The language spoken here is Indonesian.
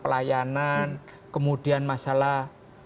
pelayanan kemudian masalah